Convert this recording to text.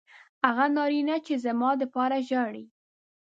هغه نارینه چې زما دپاره ژاړي